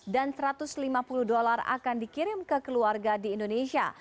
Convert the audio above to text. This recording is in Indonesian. dan satu ratus lima puluh dolar akan dikirim ke keluarga